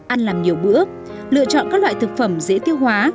ăn làm nhiều bữa lựa chọn các loại thực phẩm dễ tiêu hóa